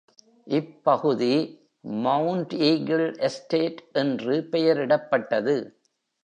இப்பகுதி Mount Eagle Estate என்று பெயரிடப்பட்டது.